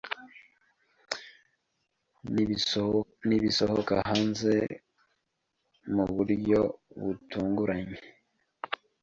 Nibisohoka hanze muburyo butunguranye?